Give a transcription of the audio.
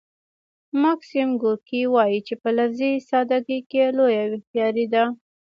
ماکسیم ګورکي وايي چې په لفظي ساده ګۍ کې لویه هوښیاري ده